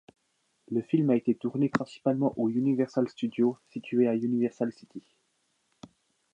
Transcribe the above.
Le film a été tourné principalement aux Universal Studios situés à Universal City.